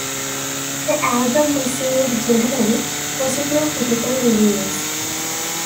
The album received generally positive critical reviews.